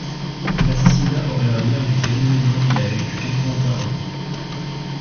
L'assassinat aurait un lien avec les événements qu'il a vécu quatre ans auparavant.